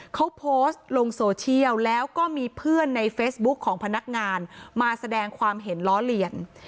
เขาโพสต์ลงโซเชียลแล้วก็มีเพื่อนในเฟซบุ๊คของพนักงานมาแสดงความเห็นล้อเลียน